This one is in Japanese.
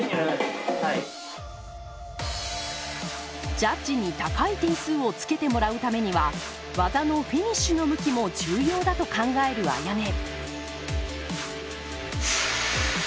ジャッジに高い点数をつけてもらうためには技のフィニッシュの向きも重要だと考えるＡＹＡＮＥ。